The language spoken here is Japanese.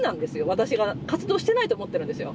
私が活動してないと思ってるんですよ。